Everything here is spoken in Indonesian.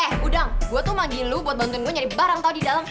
eh udang gue tuh magi lo buat bantuin gue nyari barang tahu di dalam